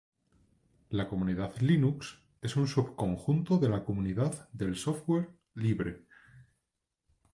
La comunidad Linux es un subconjunto de la comunidad del software libre.